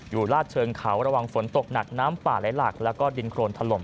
อยู่ลาดเชิงเขาระหว่างฝนตกหนักน้ำป่าไล่หลักและดินโครนทะลม